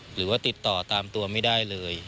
หรือว่าติดต่อตามตัวไม่ได้เลย